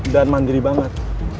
dan mandiri banget